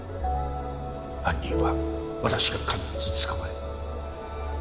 犯人は私がかならず捕まえる。